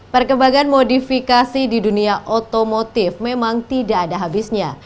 perkembangan modifikasi di dunia otomotif memang tidak ada habisnya